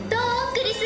クリス。